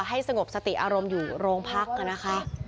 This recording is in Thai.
สงบสติอารมณ์อยู่โรงพักนะคะ